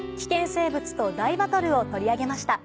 生物と大バトル』を取り上げました。